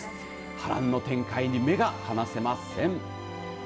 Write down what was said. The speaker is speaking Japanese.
波乱の展開に目が離せません。